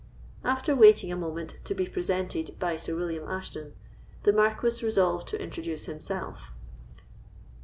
After waiting a moment to be presented by Sir William Ashton, the Marquis resolved to introduce himself.